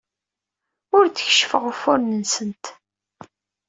Ur d-keccfeɣ ufuren-nsent.